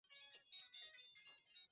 kanda unga wako vizuri hadi uchanganyike